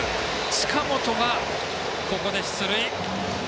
近本がここで出塁。